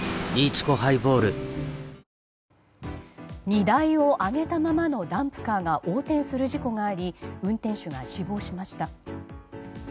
荷台を上げたままのダンプカーが横転する事故があり運転手が死亡しました。